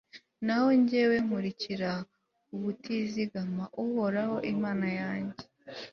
naho jyewe, nkurikira ubutizigama uhoraho, imana yanjye